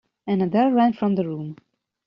And Adele ran from the room.